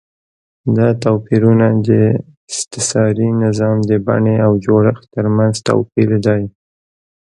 دا توپیرونه د استثاري نظام د بڼې او جوړښت ترمنځ توپیر دی.